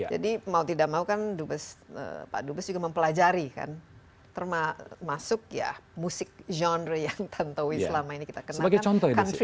jadi mau tidak mau kan pak dubes juga mempelajari kan termasuk ya musik genre yang tentu selama ini kita kenalkan